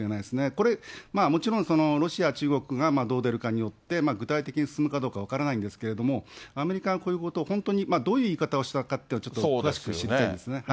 これ、もちろん、ロシア、中国がどう出るかによって具体的に進むかどうか分からないんですけれども、アメリカがこういうことを本当に、どういう言い方をしたかっていうのをちょっと詳しくしないとです